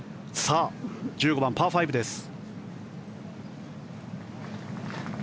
１５番、パー５です。